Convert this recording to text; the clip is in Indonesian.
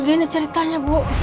gimana ceritanya bu